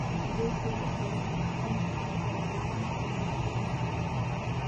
دوی په تورتم او تاریکۍ کې مستیږي.